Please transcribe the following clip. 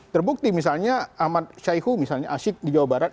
terbukti misalnya ahmad syaihu misalnya asyik di jawa barat